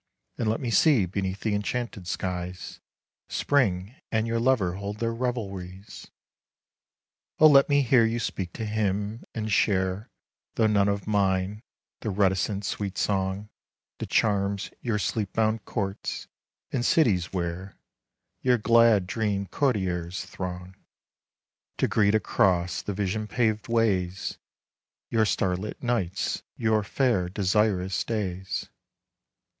And let me see beneath the enchanted skies, Spring and your lover hold their revelries. 27 TO C. M. Oh, let me hear you speak to him, and share Though none of mine, the reticent, sweet song That charms your sleep bound courts and cities where Your glad dream courtiers throng, To greet across the vision paved ways, Your star lit nights, your fair, desirous days.